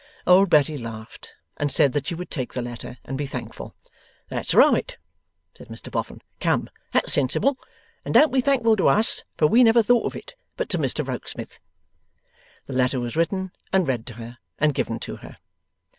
Old Betty laughed, and said that she would take the letter and be thankful. 'That's right!' said Mr Boffin. 'Come! That's sensible. And don't be thankful to us (for we never thought of it), but to Mr Rokesmith.' The letter was written, and read to her, and given to her.